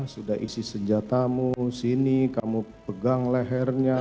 sudah isi senjatamu sini kamu pegang lehernya